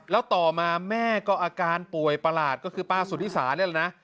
แล้วต่อมาแม่ก็อาการป่วยประหลาดก็คือป้าสุธิสาเนี่ยแหละนะ